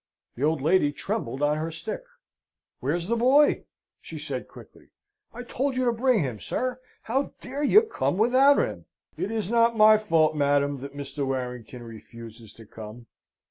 The old lady trembled on her stick. "Where is the boy?" she said quickly. "I told you to bring him, sir! How dare you come without him?" "It is not my fault, madam, that Mr. Warrington refuses to come."